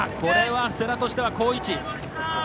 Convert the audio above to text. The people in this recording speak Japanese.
世羅としては好位置。